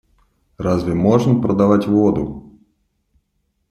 Разве можно продавать воду?